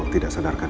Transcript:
tidak selalu berjalan